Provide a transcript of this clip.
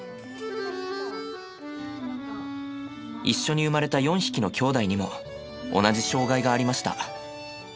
一緒に生まれた４匹のきょうだいにも同じ障害がありました。